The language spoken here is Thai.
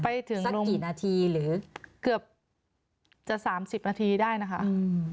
ไปถึงสักกี่นาทีหรือเกือบจะสามสิบนาทีได้นะคะอืม